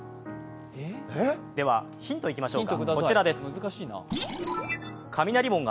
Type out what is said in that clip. ではヒントいきましょうか。